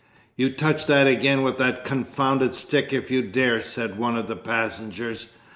"You touch that again with that confounded stick if you dare!" said one of the passengers.